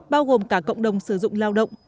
bao gồm cả cộng đồng sử dụng lao động